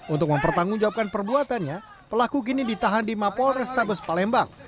untuk mempertanggungjawabkan perbuatannya pelaku kini ditahan di mapol restabes palembang